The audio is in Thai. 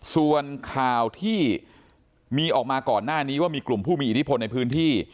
ส่วนข่าวที่มีออกมาก่อนหน้านี้ว่ามีกลุ่มผู้มีอิทธิพลในพื้นที่